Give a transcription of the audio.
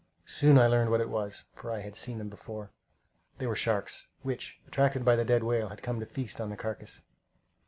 Soon I learned what it was, for I had seen them before. They were sharks, which, attracted by the dead whale, had come to feast on the carcass.